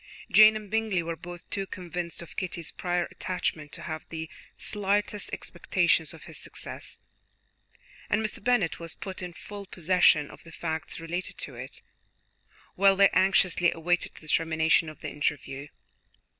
Jane and Bingley were both too convinced of Kitty's prior attachment to have the slightest expectation of his success, and Mr. Bennet was put in full possession of the facts relating to it, while they anxiously awaited the termination of the interview.